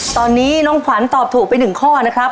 ตอนนี้น้องขวัญตอบถูกไป๑ข้อนะครับ